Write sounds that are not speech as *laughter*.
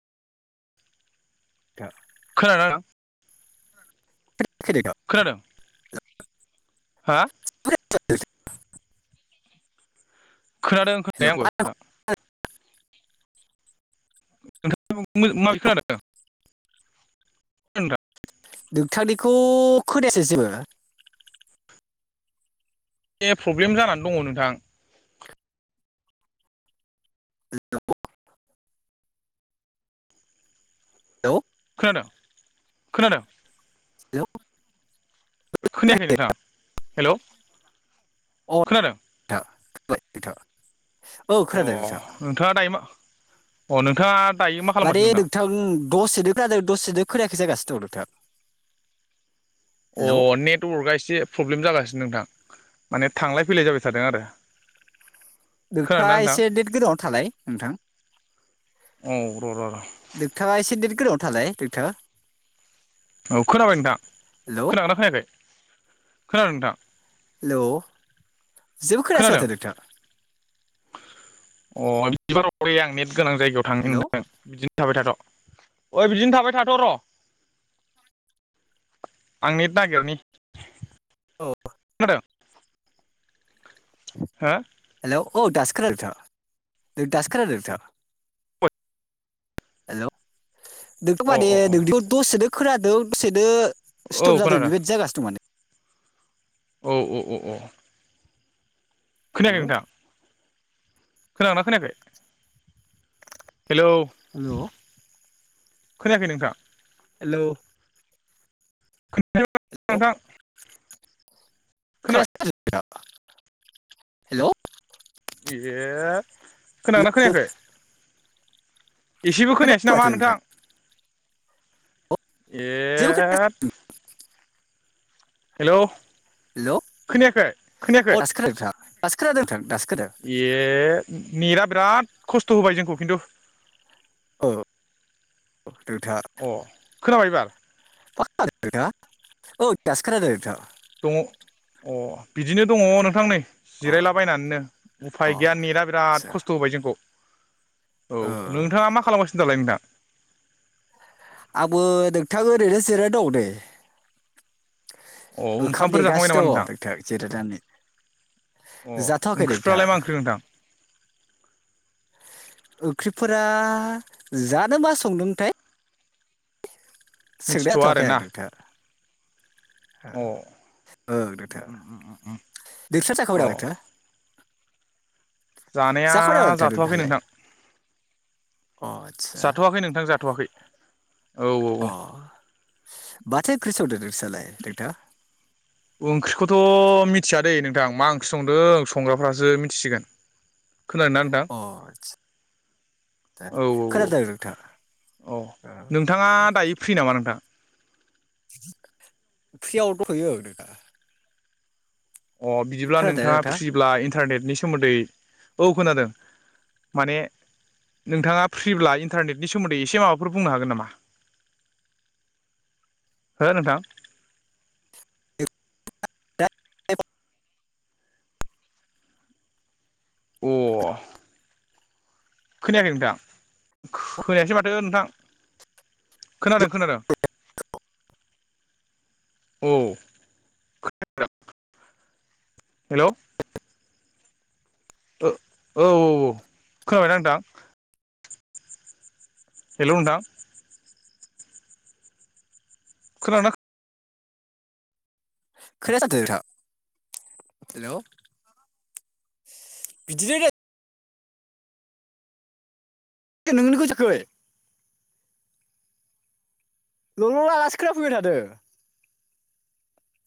नोंथां खोनादों ना? खोनायाखै खोनादों? हा? *unintelligible* खोनादों हेलौ खोनानाया आंबो आं नोंथां। नोंथाङा *unintelligible* माबायदि खोनादों? *unintelligible* नोंथांनिखौ खोनायासै जेबो। ए प्रब्लेम जानानै दङ नोंथां। हेलौ! हेलौ खोनादों खोनादों? हेलौ । खोनायाखै नोंथां हेल'। खोनादों अ *unintelligible* अ खोनादों नोंथां नोंथाङा दायो मा अ नोंथां नोंथाङा दायो मा माने खालामगासिनो नोंथां दसेनो खोनादों दसेनो खोनायाखै जागासिनो दं नोंथां अ हेलौ नेटवर्कआ एसे प्रब्लेम जागासिनो नोंथां माने थांलाय फैलाय जाबाय थादों आरो खोनादोंना नोंथाङा नोंथां इसे नेत गोनांआव थालाय नोंथां औ र' र' र' नोंथाङा ऐसे नेत गोनांआव थालाय नोंथांङा औ खोनाबाय नोंथां खोनागोना खोनायाखै खोनादों नोंथां हेल' जेबो खोनायासै खोनादों माथो नोंथां बिबार हरै आं नेट गोनां जायगायाव थांनि हेलौ नोंथां बिदिनो थाबाय थाथ' ओइ बिदिनो थाबाय थाथ' र' आं नेत नागिरनि औ खोनादों हा हेलौ औ दासों खोनादों नोंथां अ हेल' नोंथ' माने अ अ नों दसेनो खोनादों दसेनो स्टप औ जादों खोनादों बेबायदि जायागासिनो दं माने औ औ औ औ खोनायाखै हेलौ नोंथां खोनागोना खोनायाखै हेलौ हेलौ खोनायाखै नोंथां हेल' खा *unintelligible* हेलौ ए खोनागोना खोनायाखै एसेबो हेल' खोनायासै नामा खोनायाखै माथो नोंथां? जेबो खोनायासै एट हेलौ हेल' अ खोनायाखै खोनायाखै दासो खोनादों दासो खोनादों नोंथां दासो खोनादों ए नेटा बिराद खस्थ' होबाय जोंखौ खिन्थु औ रथा अ खोनाबाय एबार *unintelligible* दङ अ बिदिनो दङ नोंथां नै अ जिरायलाबायनानैनो अ उफाय गैया आदसा नेटा बिराद खस्थ' होबाय जोंखौ औ ओ नोंथाङा मा खालामगासिनो दालाय नोंथां आंबो नोंथाङा ओरैनो जिरा दं दे अ ओखाम ओंखामफोर जाखांबाय नामा दनेगासिनो दंङ' नोंथां जिरायनानै अ जाथ'वाखै नोंथां ओंख्रिफ्रालाय मा ओंख्रि नोंथां? ओंख्रिफोरा जानो मा संदोंथाय मिथिथ'वा आरो ना अ *unintelligible* औओ अ नोंथां *unintelligible* जानाया जाखांबाय नामा नोंथां जाथ'वाखै नोंहालाय नोंथां अ आदसा जाथ'वाखै नोंथां जाथ'वाखै औ अ औ माथो ओंख्रि संदों नोसालाय नोंथां? ओंख्रिखौथ' मिथियाादे नों नदांं मा ओंख्रि संदों संग्राफ्रासो मिथिसिगोन खोनादों ना नोंथां अ आसा औ खोनादों औ नोंथां? औ नोंथाङा दायो फ्रि नामा नोंथां ओंख्रियाव दख'यो *unintelligible* अ बिदिब्ला नोंथाङा फ्रिब्ला इन्टारनेटनि सोमोन्दै औ खोनादों माने नोंथाङा फ्रिब्ला इन्टारनेटनि सोमोन्दै एसे माबाफोर बुंनो हागोन नामा? हो नोंथां? अ खोनायाखै नोंथां खोनायासै माथो नोंथां? खोनादों खोनादों औ हेल' औ औ औ खोनाबायना नोंथां हेल' नोंथां खोनादोंना खोनाथारदो नोंथां हेल' बिदिनो नोंगनिखौ साख लल' लालासो खोना फैबाय थादों